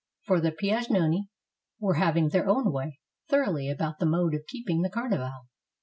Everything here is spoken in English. For the Piagnoni were having their own way thoroughly about the mode of keeping the Carnival.